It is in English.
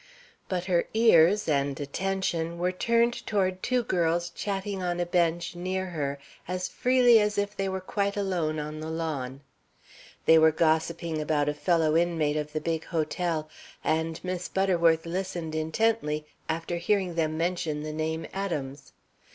But her ears, and attention, were turned toward two girls chatting on a bench near her as freely as if they were quite alone on the lawn. They were gossiping about a fellow inmate of the big hotel, and Miss Butterworth listened intently after hearing them mention the name Adams.